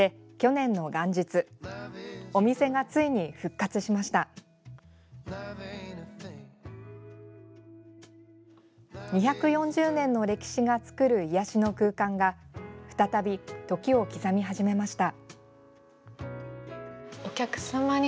２４０年の歴史が作る癒やしの空間が再び、時を刻み始めました。